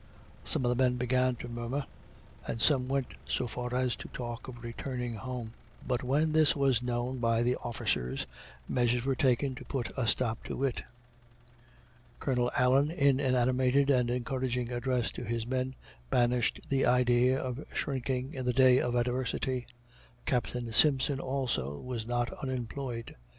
Some of the men began to murmer and some went so far as to talk of returning home but when this was known by the officers, measures were taken to put a stop to it. Colonel Allen, in an animated and encouraging address to his men, banished the idea of shrinking in the day of adversity. Captain Simpson, also, was not unemployed.